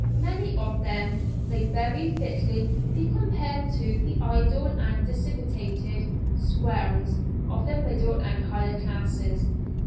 Many of them may very fitly be compared to the idle and dissipated "swells" of the middle and higher classes.